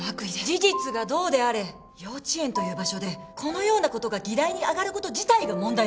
事実がどうであれ幼稚園という場所でこのようなことが議題にあがること自体が問題なのよ。